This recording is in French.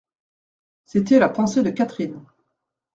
C'était la pensée de Catherine.